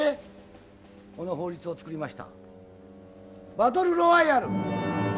バトル・ロワイアル！